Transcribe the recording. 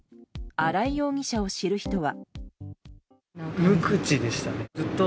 新井容疑者を知る人は。